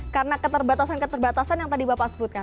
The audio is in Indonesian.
karena keterbatasan keterbatasan yang tadi bapak sebutkan